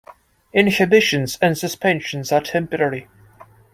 Inhibitions and suspensions are temporary.